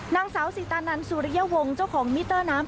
นางสาวสีตานันสุริยวงศ์เจ้าของมิเตอร์น้ำ